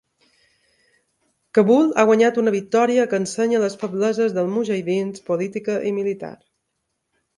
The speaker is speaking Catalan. Kabul ha guanyat una victòria que ensenya les febleses dels mujahidins, política i militar.